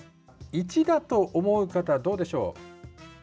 １だと思う方はどうでしょう。